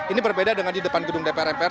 ini berbeda dengan di depan gedung dpr mpr